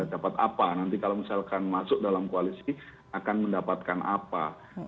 dapat apa nanti kalau misalkan masuk dalam koalisi akan mendapatkan apa